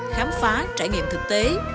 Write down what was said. khám phá trải nghiệm thực tế